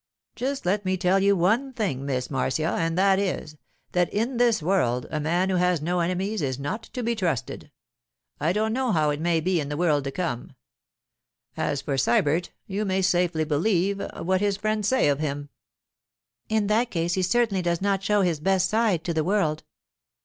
'Just let me tell you one thing, Miss Marcia, and that is, that in this world a man who has no enemies is not to be trusted—I don't know how it may be in the world to come. At for Sybert, you may safely believe what his friends say of him.' 'In that case he certainly does not show his best side to the world.